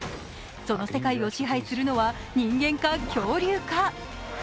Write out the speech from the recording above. その世界を支配するのは人間か恐竜か。